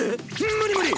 無理無理！